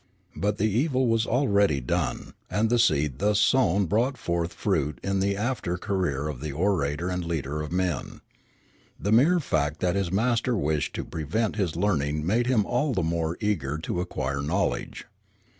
But the evil was already done, and the seed thus sown brought forth fruit in the after career of the orator and leader of men. The mere fact that his master wished to prevent his learning made him all the more eager to acquire knowledge.